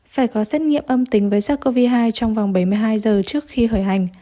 phải có xét nghiệm âm tính với sars cov hai trong vòng bảy mươi hai giờ trước khi khởi hành